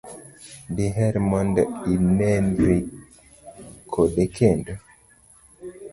diher mondo ineri kode kendo?